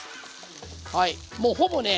はいもうほぼね